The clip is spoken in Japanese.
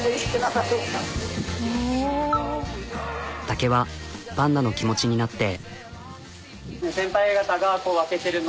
竹はパンダの気持ちになって。